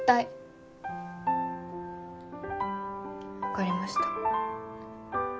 わかりました。